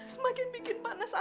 semakin bikin panas abah sama umi